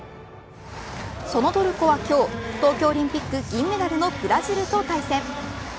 そのトルコは今日東京オリンピック銀メダルのブラジルと対戦。